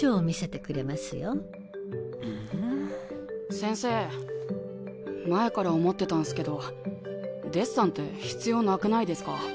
先生前から思ってたんすけどデッサンって必要なくないですか？